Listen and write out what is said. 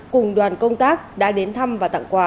cùng đoàn công tác đã đến thăm và tặng quà